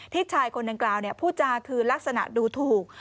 ที่ชายคนนั้นกล่าวผู้จ่าคือลักษณะดูถูก